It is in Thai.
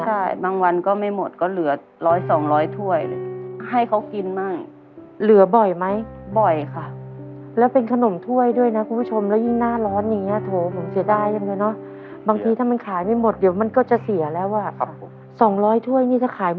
ใช่บางวันก็ไม่หมดก็เหลือร้อยสองร้อยถ้วยเลย